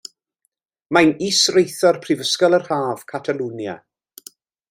Mae'n Is-Reithor Prifysgol yr Haf, Catalwnia.